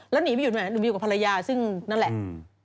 แล้วหนีไปอยู่ไหนหนูอยู่กับภรรยาซึ่งนั่นแหละ